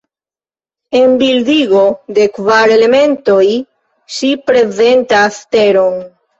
En bildigo de Kvar elementoj ŝi reprezentas Teron.